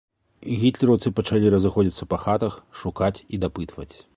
Гітлераўцы пачалі разыходзіцца па хатах, шукаць і дапытваць.